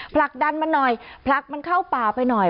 ผลักดันมันหน่อยผลักมันเข้าป่าไปหน่อย